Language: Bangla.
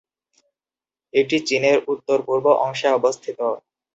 এটি চীনের উত্তর-পূর্ব অংশে অবস্থিত।